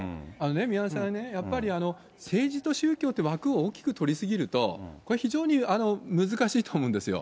宮根さんね、やっぱり政治と宗教って枠を大きく取り過ぎると、これ非常に難しいと思うんですよ。